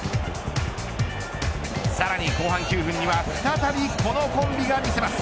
さらに後半９分には再びこのコンビが見せます。